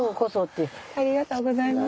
ありがとうございます。